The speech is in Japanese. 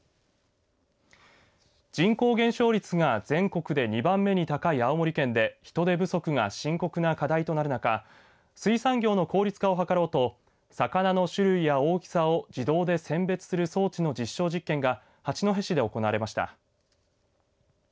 人口減少率が全国で２番目に高い青森県で人手不足が深刻な課題となる中水産業の効率化を図ろうと魚の種類や大きさを自動で判別する装置の実証実験が八戸市で行われました。